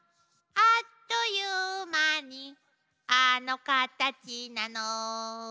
「あっという間にあのカタチなの」